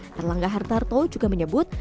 terlangga hartarto juga menyebut